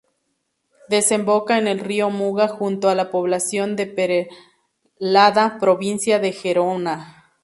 Desemboca en el río Muga junto a la población de Perelada provincia de Gerona.